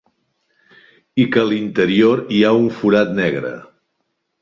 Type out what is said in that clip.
I que a l'interior hi ha un forat negre.